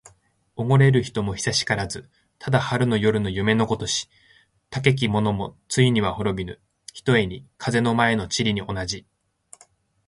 おごれる人も久しからず。ただ春の夜の夢のごとし。たけき者もついには滅びぬ、ひとえに風の前の塵に同じ。